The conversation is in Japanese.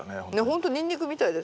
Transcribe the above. ほんとニンニクみたいです。